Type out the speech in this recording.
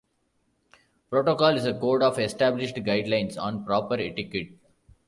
Protocol is a code of established guidelines on proper etiquette.